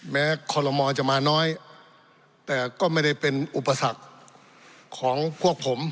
คอลโมจะมาน้อยแต่ก็ไม่ได้เป็นอุปสรรคของพวกผม